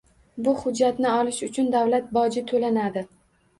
Bu xujjatni olish uchun davlat boji to‘lanadi.